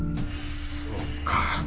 そうか。